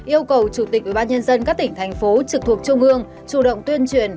yêu cầu chủ tịch ubnd các tỉnh thành phố trực thuộc trung ương chủ động tuyên truyền